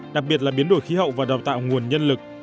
đặc biệt là biến đổi khí hậu và đào tạo nguồn nhân lực